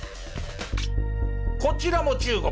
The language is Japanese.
こちらも中国。